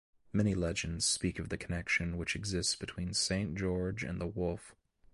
Many legends speak of the connection which exists between St. George and the wolf.